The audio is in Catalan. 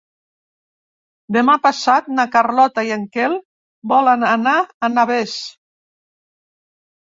Demà passat na Carlota i en Quel volen anar a Navès.